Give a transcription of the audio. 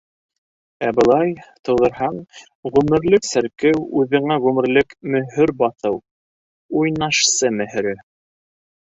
Ә былай... тыуҙырһаң... ғүмерлек серкеү, үҙеңә ғүмерлек мөһөр баҫыу - уйнашсы мөһөрө...